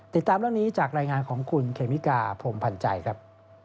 ติดตามเรื่องนี้จากรายงานของคุณเคมิกาพรมพันธ์ใจครับ